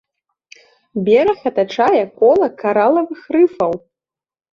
Бераг атачае кола каралавых рыфаў.